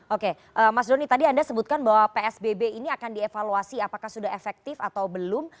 oke mas doni tadi anda sebutkan bahwa psbb ini akan dievaluasi apakah sudah efektif atau belum